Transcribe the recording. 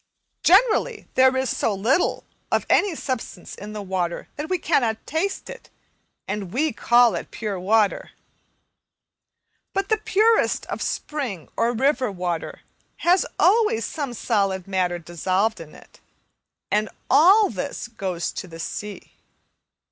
Generally, there is so little of any substance in the water that we cannot taste it, and we call it pure water; but the purest of spring or river water has always some solid matter dissolved in it, and all this goes to the sea.